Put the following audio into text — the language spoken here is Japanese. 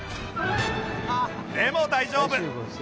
でも大丈夫